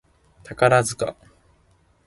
宝塚